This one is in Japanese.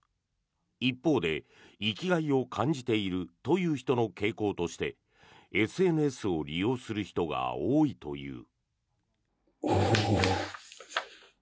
一方で生きがいを感じているという人の傾向としてＳＮＳを利用する人が多いという。